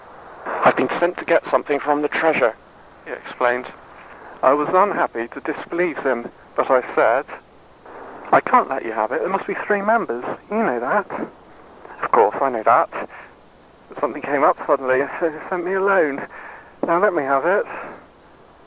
"I've been sent to get something from the Treasure," he explained. I was unhappy to displease him, but I said, "I can't let you have it. There must be three members. You know that." "Of course, I know it. But something came up suddenly, so they sent me alone. Now, let me have it."